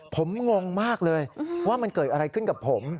ผมงงมากเลยว่ามันเกิดอะไรขึ้นกับผม